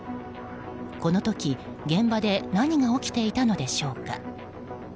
この時、現場で何が起きていたのでしょうか。